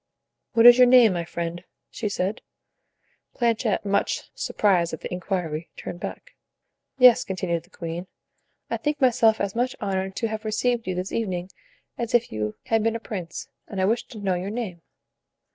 "What is your name, my friend?" she said. Planchet, much surprised at the inquiry, turned back. "Yes," continued the queen, "I think myself as much honored to have received you this evening as if you had been a prince, and I wish to know your name."